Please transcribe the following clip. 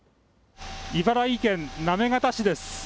茨城県行方市です。